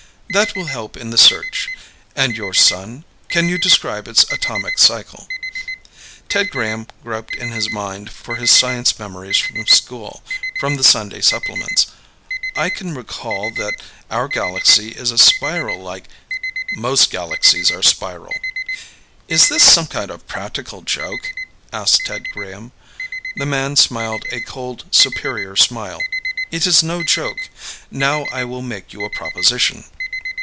"That will help in the search. And your sun can you describe its atomic cycle?" Ted Graham groped in his mind for his science memories from school, from the Sunday supplements. "I can recall that our galaxy is a spiral like " "Most galaxies are spiral." "Is this some kind of a practical joke?" asked Ted Graham. The man smiled, a cold, superior smile. "It is no joke. Now I will make you a proposition."